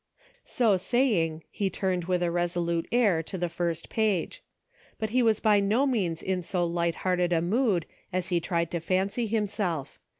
So saying, he turned with a resolute air to the first page. But he was by no means in so light hearted a mood as he tried to fancy himself.